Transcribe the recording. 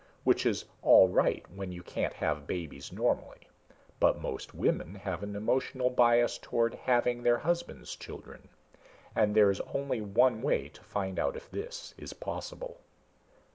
Which is all right when you can't have babies normally. But most women have an emotional bias towards having their husband's children. And there is only one way to find out if this is possible."